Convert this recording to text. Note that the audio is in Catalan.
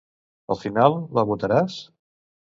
Al final, la votaràs.